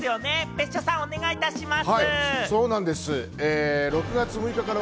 別所さん、お願いいたします。